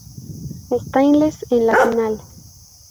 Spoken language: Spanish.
Styles en la final.